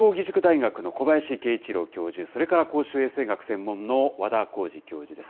慶應義塾大学の小林慶一郎教授、それから公衆衛生学専門の和田耕治教授です。